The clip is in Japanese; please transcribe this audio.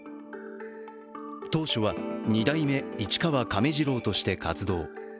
当初は二代目市川亀治郎として活動。